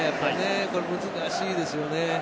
これ難しいですよね。